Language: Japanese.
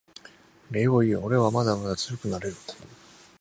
礼を言うおれはまだまだ強くなれる